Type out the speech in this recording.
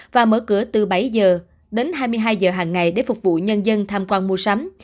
và mở cửa từ bảy giờ đến hai mươi hai giờ hàng ngày để phục vụ nhân dân tham quan mua sắm